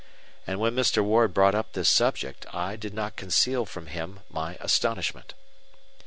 And when Mr. Ward brought up this subject, I did not conceal from him my astonishment.